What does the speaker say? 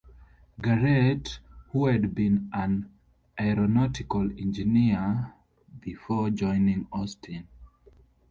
Garrett, who had been an aeronautical engineer before joining Austin.